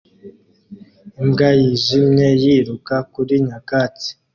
Imbwa yijimye yiruka kuri nyakatsi